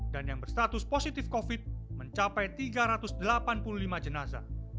dan yang berstatus positif covid mencapai tiga ratus delapan puluh lima jenazah